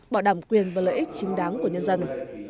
bảo đảm quyền và lợi ích chính đáng của nhân dân